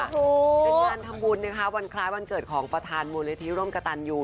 เป็นงานทำบุญนะคะวันคล้ายวันเกิดของประธานมูลนิธิร่วมกระตันยู